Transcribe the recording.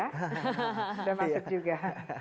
sudah masuk juga